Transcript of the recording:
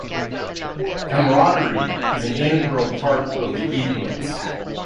Camaraderie is an integral part of the eaglets.